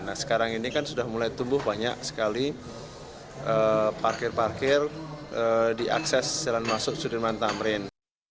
nah sekarang ini kan sudah mulai tumbuh banyak sekali parkir parkir di akses jalan masuk sudirman tamrin